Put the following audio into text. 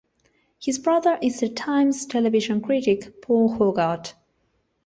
His brother is the "Times" television critic Paul Hoggart.